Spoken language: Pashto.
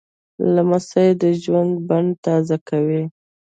لمسی د ژوند بڼ تازه کوي.